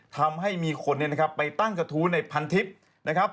ทำให้มีคนไปตั้งกระทู้ในพันทิศนะครับ